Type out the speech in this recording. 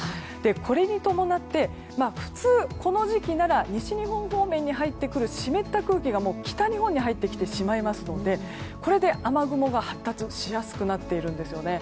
これに伴って普通、この時期なら西日本方面に入ってくる湿った空気が、北日本に入ってきてしまいますのでこれで、雨雲が発達しやすくなっているんですね。